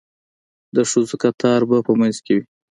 د ښځو کتار به په منځ کې وي.